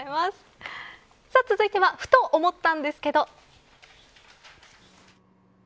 続いてはふと思ったんですけど。